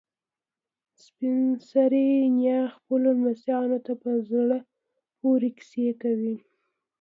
سپین سرې نیا خپلو لمسیانو ته په زړه پورې کیسې کوي.